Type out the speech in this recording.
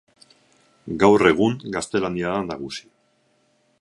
Gaur egun gaztelania da nagusi.